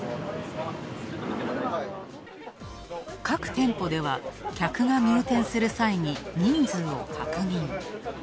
各店舗では、客が入店する際に人数を確認。